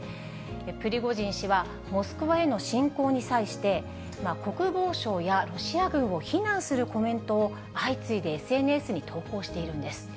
プリゴジン氏はモスクワへの進行に際して、国防省やロシア軍を非難するコメントを相次いでＳＮＳに投稿しているんです。